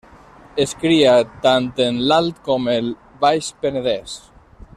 Es cria tant en l'Alt com el Baix Penedès.